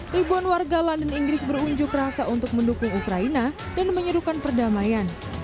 ribuan warga london inggris berunjuk rasa untuk mendukung ukraina dan menyerukan perdamaian